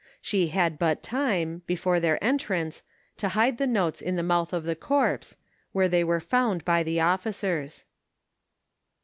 She had but time, before their entrance, to hide the notes in the mouth of the corpse, where they were found by the officers.